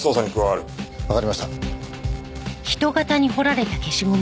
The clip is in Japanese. わかりました。